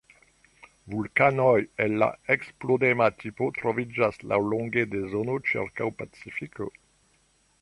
Vulkanoj el la eksplodema tipo troviĝas laŭlonge de zono ĉirkaŭ Pacifiko.